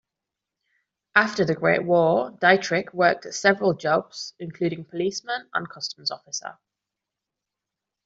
After the Great War Dietrich worked at several jobs, including policeman and customs officer.